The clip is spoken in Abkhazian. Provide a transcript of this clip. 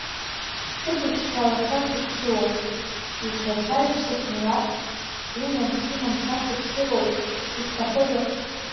Сыбызшәала са саԥсыуоуп, излацәажәо са смилаҭ, уи ансымам са сыԥсыроуп, сызҭахдаа?